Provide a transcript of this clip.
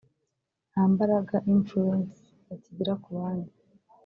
nta mbaraga (influence) bakigira ku bandi